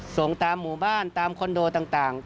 ส่งตามหมู่บ้านตามคอนโดต่าง